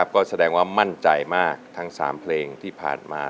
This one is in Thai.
ก็แสดงว่ามั่นใจมากทั้ง๓เพลงที่ผ่านมา